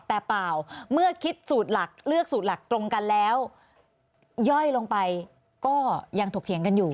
แต่เปล่าเมื่อคิดสูตรหลักเลือกสูตรหลักตรงกันแล้วย่อยลงไปก็ยังถกเถียงกันอยู่